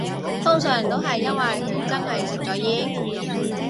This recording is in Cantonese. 通常都係因為佢真係食咗煙